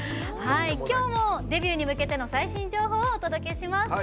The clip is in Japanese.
今日もデビューに向けての最新情報をお届けします。